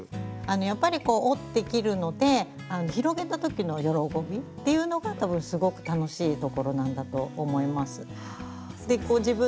やっぱりこう折って切るので広げた時の喜びっていうのが多分すごく楽しいところなんだと思います。